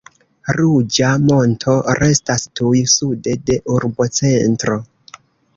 Ruĝa Monto restas tuj sude de urbocentro.